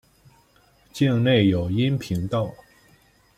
境内有阴平道。